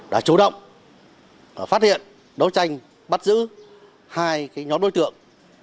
đã chủ động phát hiện đấu tranh bắt giữ hai nhóm đối tượng